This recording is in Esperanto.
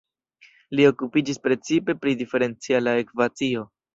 Li okupiĝis precipe pri Diferenciala ekvacio.